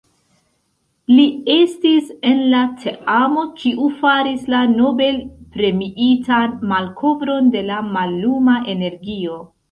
Li estis en la teamo kiu faris la Nobel-premiitan malkovron de la malluma energio.